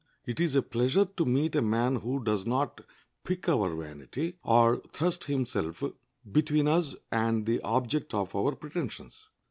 It is a pleasure to meet a man who does not pique our vanity, or thrust himself between us and the object of our pretensions.